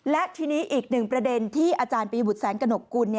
และทีนี้อีกหนึ่งประเด็นที่อาจารย์ปีบุตรแสงกระหนกกุล